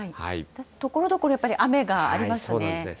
ところどころ、やっぱり雨がありますね。